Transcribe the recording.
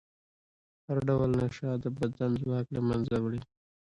هر ډول نشه د بدن ځواک له منځه وړي.